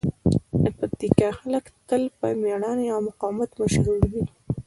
د پکتیکا خلک تل په مېړانې او مقاومت مشهور دي.